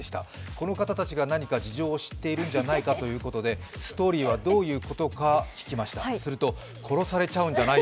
この方たちが何か事情を知っているんじゃないかということでストーリーはどういうことか聞きました。